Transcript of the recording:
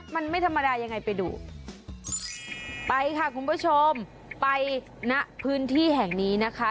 มันไม่ธรรมดายังไงไปดูไปค่ะคุณผู้ชมไปณพื้นที่แห่งนี้นะคะ